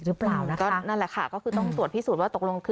ถ้าว่าเขาตกไปแล้วนะผู้หญิงนะ